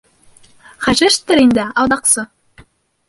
— Хажиштыр инде, алдаҡсы!